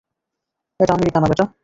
এটা আমেরিকা না, বেটা।